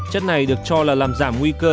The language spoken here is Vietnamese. chất này được cho là làm giảm nguy cơ